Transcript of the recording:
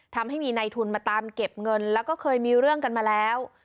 ทำให้มีในทุนมาตามเก็บเงินแล้วก็เคยมีเรื่องกันมาแล้ว